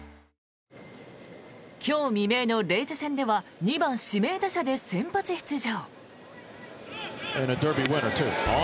今日未明のレイズ戦では２番指名打者で先発出場。